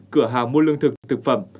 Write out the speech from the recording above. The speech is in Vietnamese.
cửa hàng mua lương thực thực phẩm